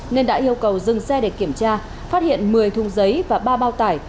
nên đã yêu cầu dừng xe để kiểm tra phát hiện một mươi thùng giấy và ba bao tải